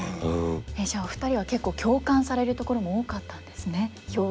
じゃあお二人は結構共感されるところも多かったんですね。